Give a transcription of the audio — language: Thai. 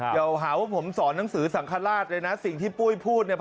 อย่าหาว่าผมสอนหนังสือสังฆราชเลยนะสิ่งที่ปุ้ยพูดเนี่ย